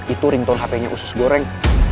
itu ringtone hpnya usus goreng